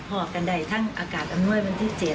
พ๋อกทั่งอากาศอำนวยพันที่๗